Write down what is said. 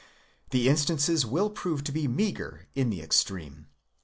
the instances will prove to be meagre in the extreme.